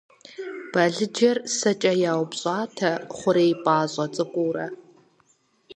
Балыджэр сэкӏэ яупщӏатэ хъурей пӏащӏэ цӏыкӏуурэ.